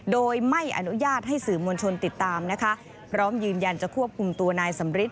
โดยไม่อนุญาตให้สื่อมวลชนติดตามนะคะพร้อมยืนยันจะควบคุมตัวนายสำริท